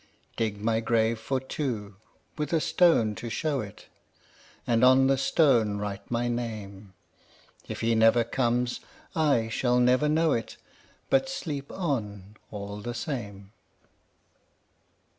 20 Dig my grave for two, with a stone to show it, And on the stone write my name; If he never comes, I shall never know it, But sleep on all the same.